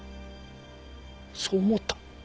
そう思った。